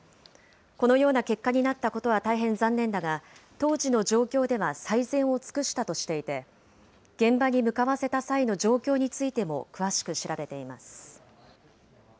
このような結果になったことは大変残念だが、当時の状況では最善を尽くしたとしていて、現場に向かわせた際の状況についても詳しく調べています。